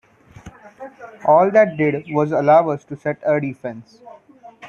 All that did was allow us to set our defense.